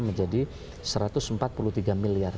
menjadi satu ratus empat puluh tiga miliar